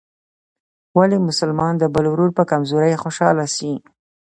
ولي مسلمان د بل ورور په کمزورۍ خوشحاله سي؟